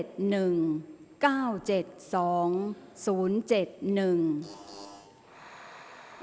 ออกรางวัลที่๖